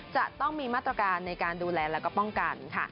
จะต้องมีมาตรการในการดูแลแล้วก็ป้องกันค่ะ